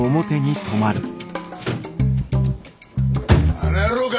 あの野郎か？